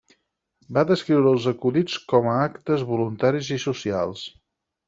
Va descriure els acudits com a actes voluntaris i socials.